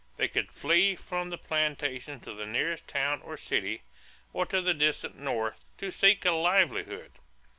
They could flee from the plantation to the nearest town or city, or to the distant North, to seek a livelihood.